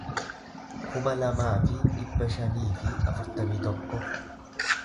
kuma lamaa fi dhibba shanii fi afurtamii tokko